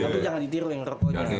tapi jangan ditiru yang terpunya